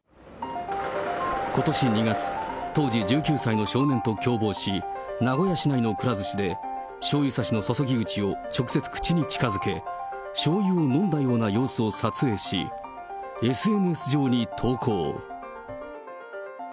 ことし２月、当時１９歳の少年と共謀し、名古屋市内のくら寿司で、しょうゆ差しの注ぎ口を直接口に近づけ、しょうゆを飲んだような動画を撮影し、ＳＮＳ上に投稿。